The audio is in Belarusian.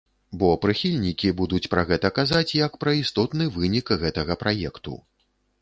Бо прыхільнікі будуць пра гэта казаць, як пра істотны вынік гэтага праекту.